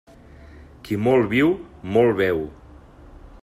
Qui molt viu, molt veu.